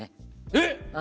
えっ？